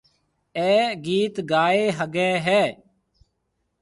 اَي گِيت گائيَ سگھيََََ هيَ۔